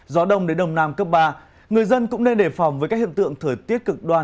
gió đông đến đông nam cấp ba người dân cũng nên đề phòng với các hiện tượng thời tiết cực đoan